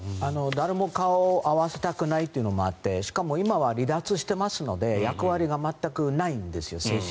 誰も顔を合わせたくないというのもあってしかも今は離脱していますので役割が正式には全くないんですよ。